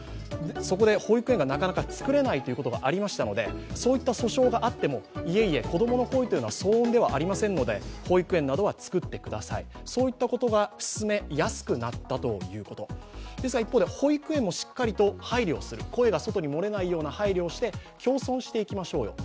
そこで保育園がなかなかつくれないといをことがありましたのでそういった訴訟があっても、いえいえ、子供の声は騒音ではありませんので、保育園などは作ってください、そういったことが進めやすくなったということですが一方で、保育園もしっかりと声が外に漏れないような配慮をして共存していきましょうよと。